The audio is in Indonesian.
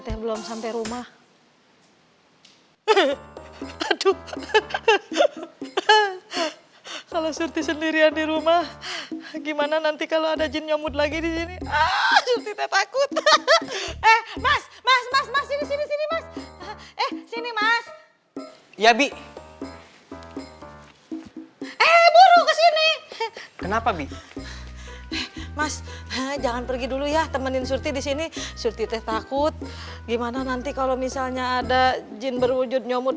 takut dia dimana nanti kalau misalnya ada jin terwujud nyumut